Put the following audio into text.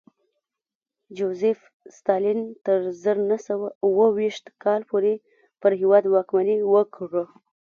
جوزېف ستالین تر زر نه سوه اوه ویشت کال پورې پر هېواد واکمني وکړه